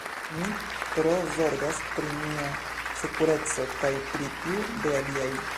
Mi tro zorgas pri mia sekureco kaj pri tiu de aliaj.